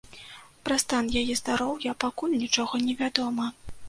Пра стан яе здароўя пакуль нічога невядома.